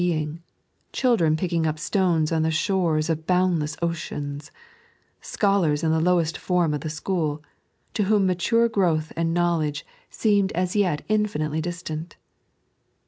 being, children picking up stones on the shores of boundloss ooeane, scholars on the lowest form of the school, to whom mature growth and knowledge seemed as yet indefinitely distant.